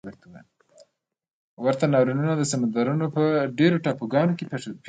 ورته ناورینونه د سمندرونو په ډېرو ټاپوګانو کې پېښ شول.